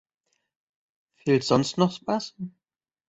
Fehlt sonst noch was?